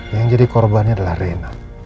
yang menjadi korban adalah rena